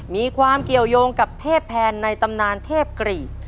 มีความเกี่ยวยงกับเทพแพนในตำนานเทพกรีก